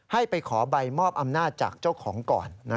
ให้ไปขอใบมอบอำนาจจากเจ้าของก่อน